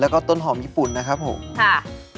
แล้วก็ต้นหอมญี่ปุ่นนะครับผมค่ะ